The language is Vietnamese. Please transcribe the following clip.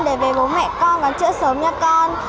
để về bố mẹ con còn chữa sớm nha con